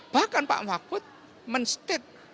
bahkan pak mahfud men state